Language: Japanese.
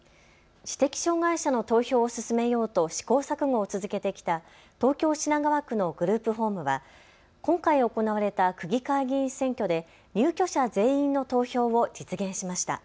知的障害者の投票を進めようと試行錯誤を続けてきた東京品川区のグループホームは今回、行われた区議会議員選挙で入居者全員の投票を実現しました。